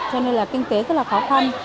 cho nên là kinh tế rất là khó khăn